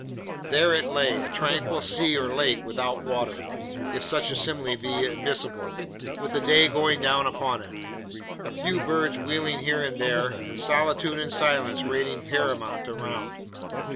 There it lay, a tranquil sea or lake without water, if such a simile be admissible, with the day going down upon it: a few birds wheeling here and there: and solitude and silence reigning paramount around.